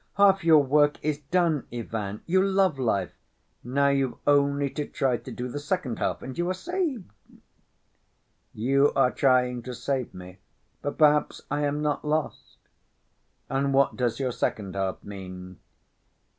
Half your work is done, Ivan, you love life, now you've only to try to do the second half and you are saved." "You are trying to save me, but perhaps I am not lost! And what does your second half mean?"